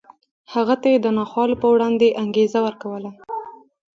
هغه ته یې د ناخوالو په وړاندې انګېزه ورکوله